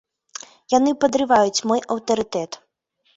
Яны падрываюць мой аўтарытэт.